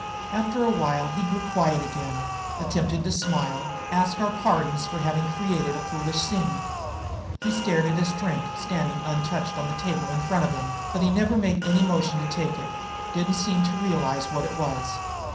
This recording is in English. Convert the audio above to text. After a while he grew quiet again, attempted a smile, asked our pardons for having created a foolish scene. He stared at his drink standing untouched on the table in front of him; but never made any motion to take it, didn't seem to realize what it was.